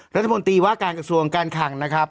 รัฐมนตรีว่าการกระทรวงการคังนะครับ